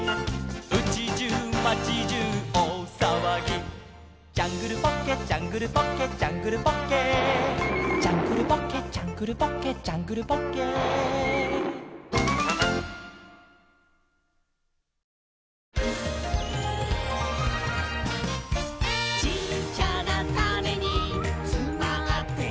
「うちじゅう町じゅうおおさわぎ」「ジャングルポッケジャングルポッケ」「ジャングルポッケ」「ジャングルポッケジャングルポッケ」「ジャングルポッケ」「ちっちゃなタネにつまってるんだ」